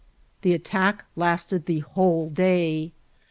The attack lasted the whole day.